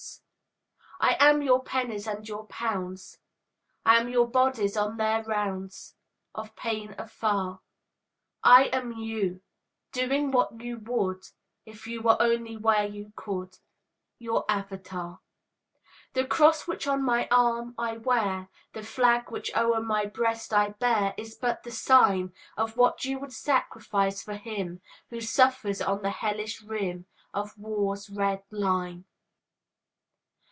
188 AUXILIARIES I am your pennies and your pounds; I am your bodies on their rounds Of pain afar; I am you, doing what you would If you were only where you could —■ Your avatar. The cross which on my arm I wear, The flag which o'er my breast I bear, Is but the sign Of what you 'd sacrifice for him Who suffers on the hellish rim Of war's red line.